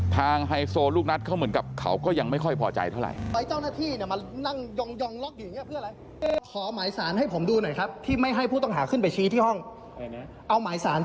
ไฮโซลูกนัดเขาเหมือนกับเขาก็ยังไม่ค่อยพอใจเท่าไหร่